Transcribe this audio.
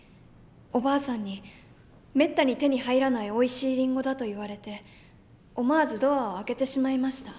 おばあさんに「めったに手に入らないおいしいリンゴだ」と言われて思わずドアを開けてしまいました。